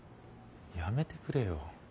やめてくれよ。